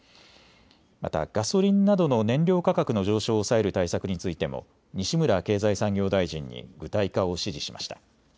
また、ガソリンなどの燃料価格の上昇を抑える対策についても西村経済産業大臣に具体化を指示しました。